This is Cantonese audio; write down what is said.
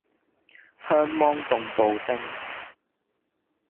香芒凍布丁